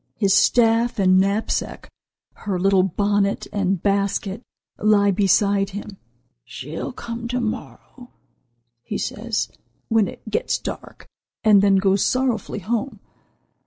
His staff and knapsack, her little bonnet and basket, lie beside him. 'She'll come to morrow,' he says, when it gets dark, and then goes sorrowfully home.